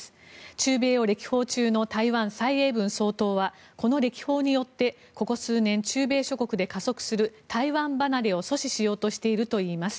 中米を歴訪中の台湾、蔡英文総統はこの歴訪によってここ数年、中米諸国で加速する台湾離れを阻止しようとしているといいます。